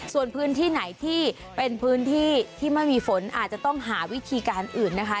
ส่วนพื้นที่ไหนที่เป็นพื้นที่ที่ไม่มีฝนอาจจะต้องหาวิธีการอื่นนะคะ